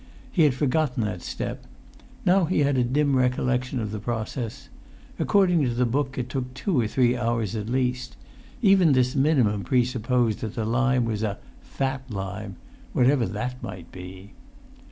He had forgotten that step; now he had a dim recollection of the process. According to the book it took two or three hours at least; even this minimum presupposed that the lime was a "fat lime," whatever that might be.